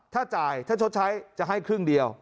ถ้าจ่ายถ้าชดใช้จะให้ครึ่งเดียว